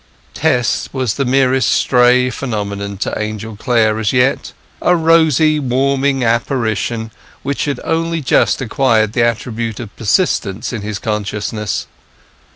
Tess was the merest stray phenomenon to Angel Clare as yet—a rosy, warming apparition which had only just acquired the attribute of persistence in his consciousness.